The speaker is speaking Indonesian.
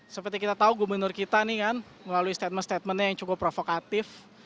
seperti kita tahu gubernur kita nih kan melalui statement statementnya yang cukup provokatif